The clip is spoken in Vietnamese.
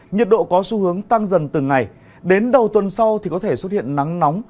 nhiệt độ có xu hướng tăng dần từng ngày đến đầu tuần sau thì có thể xuất hiện nắng nóng